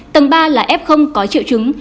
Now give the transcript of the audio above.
tầng ba là f có triệu chứng